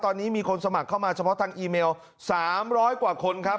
ตอนนี้มีคนสมัครเข้ามาเฉพาะทางอีเมล๓๐๐กว่าคนครับ